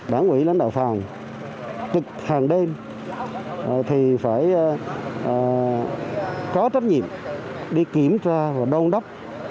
đảng quỹ lãnh đạo phòng trực hàng đêm thì phải có trách nhiệm đi kiểm tra và đôn đốc